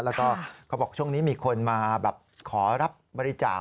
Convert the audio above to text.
แล้วก็เขาบอกช่วงนี้มีคนมาแบบขอรับบริจาค